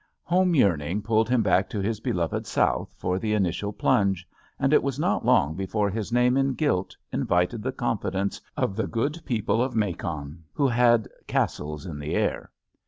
Home yearning pulled him back to his beloved South for the initial plunge, and it was not long be fore his name in gilt invited the confidence of the good people of Macon, who had castles in the air.